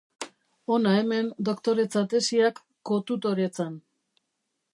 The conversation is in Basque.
Hona hemen doktoretza-tesiak kotutoretzan.